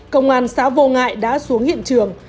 công an xã vô ngại đã xuống hiện trường